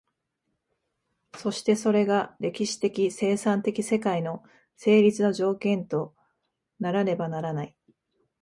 そしてそれが歴史的生産的世界の成立の条件とならねばならない。